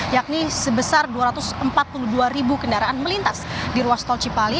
yakni sebesar dua ratus empat puluh dua ribu kendaraan melintas di ruas tol cipali